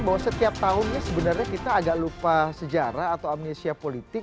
bahwa setiap tahunnya sebenarnya kita agak lupa sejarah atau amnesia politik